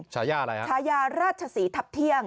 ชายาอะไรครับชายาราชศรีทัพเที่ยง